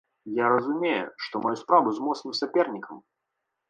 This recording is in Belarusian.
Я разумею, што маю справу з моцным сапернікам.